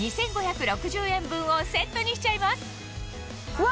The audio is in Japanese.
うわ！